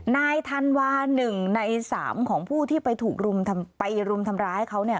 นายธันวา๑ใน๓ของผู้ที่ไปถูกรุมไปรุมทำร้ายเขาเนี่ย